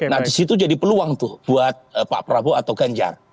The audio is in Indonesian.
nah disitu jadi peluang tuh buat pak prabowo atau ganjar